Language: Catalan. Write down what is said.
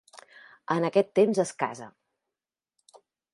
En aquest temps es casa.